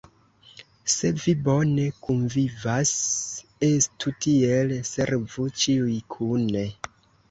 Se vi bone kunvivas, estu tiel: servu ĉiuj kune!